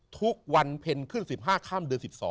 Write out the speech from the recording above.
ทุกวันเพลินขึ้น๑๕ครั้งเดือ๑๒